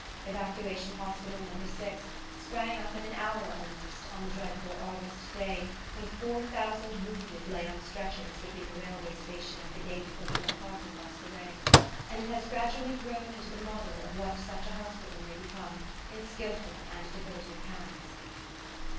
Evacuation Hospital No. 6 sprang up in an hour, almost, on the dreadful August day when four thousand wounded lay on stretchers between the railway station and the gate of the little park across the way; and it has gradually grown into the model of what such a hospital may become in skilful and devoted hands.